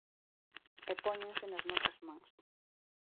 E póñense nas nosas mans.